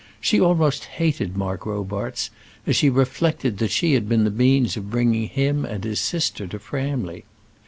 She almost hated Mark Robarts as she reflected that she had been the means of bringing him and his sister to Framley.